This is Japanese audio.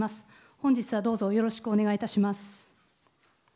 本日はどうぞよろしくお願いします。